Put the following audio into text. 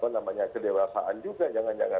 namanya kedewasaan juga jangan jangan